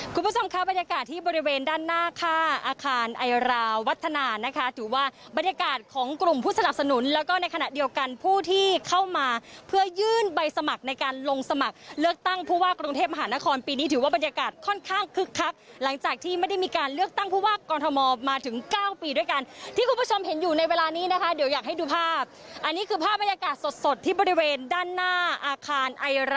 คุณผู้ชมครับบรรยากาศที่บริเวณด้านหน้าค่าอาคารไอราวัฒนานะคะถือว่าบรรยากาศของกลุ่มผู้สนับสนุนแล้วก็ในขณะเดียวกันผู้ที่เข้ามาเพื่อยื่นใบสมัครในการลงสมัครเลือกตั้งผู้ว่ากรุงเทพมหานครปีนี้ถือว่าบรรยากาศค่อนข้างคึกคักหลังจากที่ไม่ได้มีการเลือกตั้งผู้ว่ากรองธรรมมาถึงเก้าปีด้วย